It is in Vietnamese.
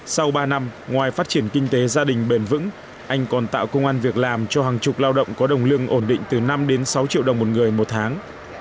sau ba năm ngoài phát triển kinh tế gia đình bền vững anh còn tạo công an việc làm cho hàng chục lao động có đồng lương ổn định từ năm đến sáu triệu đồng một người một tháng